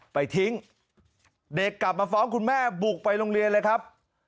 ไปทิ้งเด็กกลับมาฟ้องคุณแม่บุกไปโรงเรียนเลยครับ